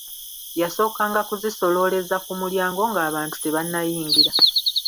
Yasookanga kuzisolooleza ku mulyango ng'abantu tebanayingira.